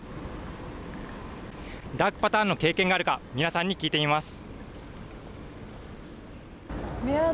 ダークパターンの経験があるか、皆さんに聞いてみます。